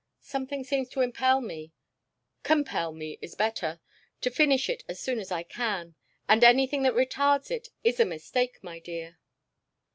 Something seems to impel me compel me is better to finish it as soon as I can, and anything that retards it is a mistake, my dear."